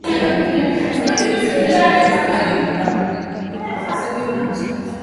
Utahitaji nishati yako ya kupikia viazi lishe